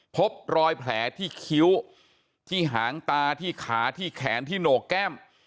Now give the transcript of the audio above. พบรอยแผลที่คิ้วที่หางตาที่ขาที่แขนที่โหนกแก้ม